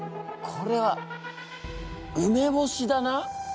これは梅干しだな？